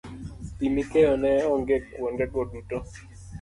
Pi mikeyo ne onge kuondego duto